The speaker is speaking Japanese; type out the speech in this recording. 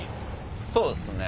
そうっすね。